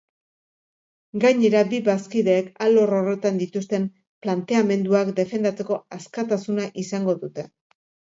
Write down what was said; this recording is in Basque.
Gainera, bi bazkideek alor horretan dituzten planteamenduak defendatzeko askatasuna izango dute.